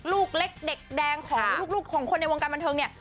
ลูกเล็กเด็กแดงของลูกของคนในวงการบันเทิงเนี่ย